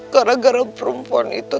gara gara perempuan itu